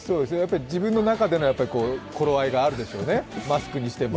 自分の中での頃合いがあるでしょうね、マスクにしても。